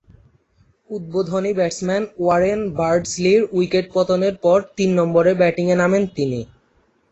উদ্বোধনী batsman Warren বার্ডসলি’র wicket পতনের পর তিন নম্বরে ব্যাটিংয়ে নামেন তিনি।